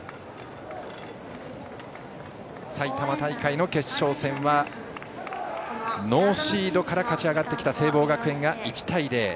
埼玉大会の決勝戦はノーシードから勝ち上がってきた聖望学園が１対０。